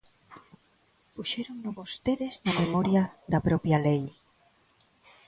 Puxérono vostedes na memoria da propia lei.